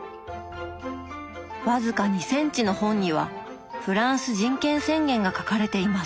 僅か２センチの本には「フランス人権宣言」が書かれています。